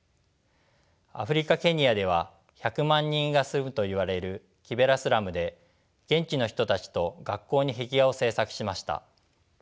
アフリカ・ケニアでは１００万人が住むといわれるキベラスラムで現地の人たちと学校に壁画を制作しました。